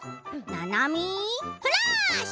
「ななみフラッシュ」。